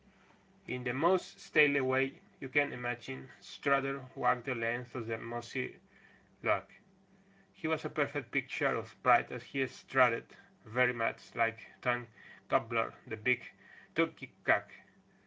In the most stately way you can imagine Strutter walked the length of that mossy log. He was a perfect picture of pride as he strutted very much like Tom Gobbler the big Turkey cock.